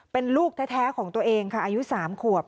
เป็นลูกแท้ของตัวเองค่ะอายุ๓ขวบ